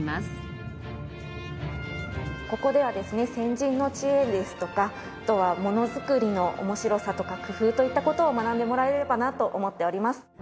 ここではですね先人の知恵ですとかあとはものづくりの面白さとか工夫といった事を学んでもらえればなと思っております。